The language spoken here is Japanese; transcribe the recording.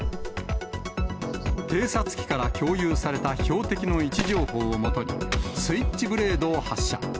偵察機から共有された標的の位置情報を基に、スイッチブレードを発射。